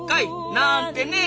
なあんてね。